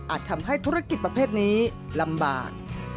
ทำให้ธุรกิจประเภทนี้ลำบาก